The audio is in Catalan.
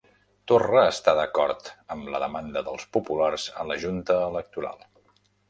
Torra està d'acord amb la demanda dels populars a la Junta Electoral